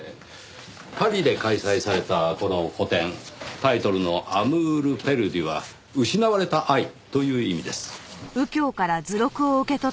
パリで開催されたこの個展タイトルの「ａｍｏｕｒｐｅｒｄｕ」は「失われた愛」という意味です。